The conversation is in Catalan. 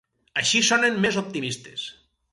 Així sonen més optimistes.